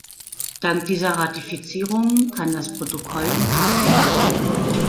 Dank dieser Ratifizierungen kann das Protokoll in Kraft treten.